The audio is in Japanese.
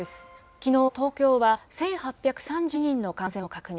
きのう、東京は１８３２人の感染を確認。